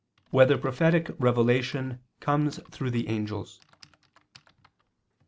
2] Whether Prophetic Revelation Comes Through the Angels?